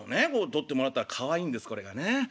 撮ってもらったらかわいいんですこれがねええ。